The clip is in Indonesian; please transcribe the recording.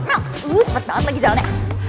mel lo cepet banget lagi jalan ya